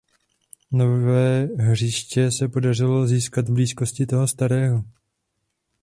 Nové hřiště se podařilo získat v blízkosti toho starého.